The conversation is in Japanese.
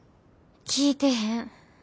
聞いてへん。